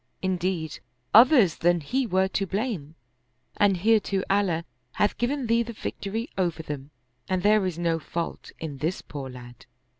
In deed, others than he were to blame, and hereto Allah hath given thee the victory over them, and there is no fault in this poor lad."